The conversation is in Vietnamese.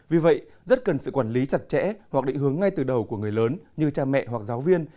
vì vậy rất cần sự quản lý chặt chẽ hoặc định hướng ngay từ đầu của người lớn như cha mẹ hoặc giáo viên